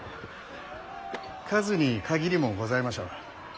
数に限りもございましょう。